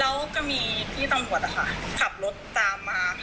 แล้วก็มีพี่ตำรวจนะคะขับรถตามมา